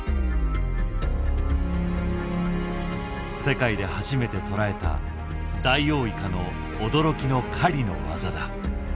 世界で初めて捉えたダイオウイカの驚きの狩りの技だ。